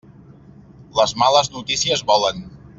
Les males notícies volen.